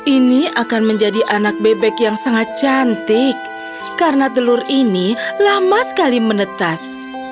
ini akan menjadi anak bebek yang sangat cantik karena telur ini lama sekali menetas